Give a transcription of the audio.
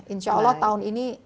insya allah tahun ini